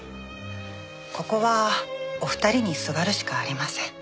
ここはお二人にすがるしかありません。